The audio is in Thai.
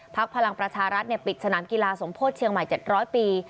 พลังประชารัฐปิดสนามกีฬาสมโพธิเชียงใหม่๗๐๐ปี